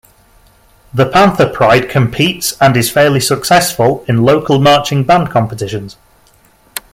The Panther Pride competes, and is fairly successful, in local marching band competitions.